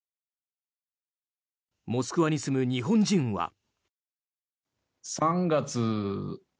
モスクワに住む日本人は。